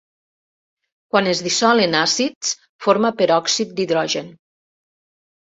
Quan es dissol en àcids, forma peròxid d'hidrogen.